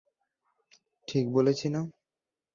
ঠিক বলেছি না?